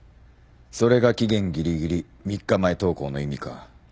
それが期限ギリギリ３日前投稿の意味か。